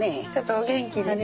お元気でね。